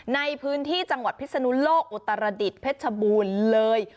ในพื้นที่จังหวัดพิศนุโลกอุตรดิษฐ์เพชรบูรณ์เลย